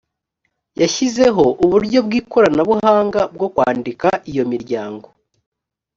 yashyizeho uburyo bw ikoranabuhanga bwo kwandika iyo miryango